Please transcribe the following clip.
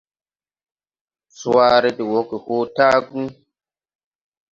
Swaare de wɔge hoo tããgu.